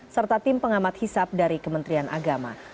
serta tim pengamat hisap dari kementerian agama